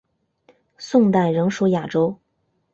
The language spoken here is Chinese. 宋代仍属雅州。